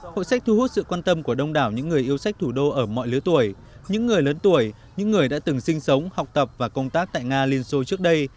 hội sách thu hút sự quan tâm của đông đảo những người yêu sách thủ đô ở mọi lứa tuổi những người lớn tuổi những người đã từng sinh sống học tập và công tác tại nga liên xô trước đây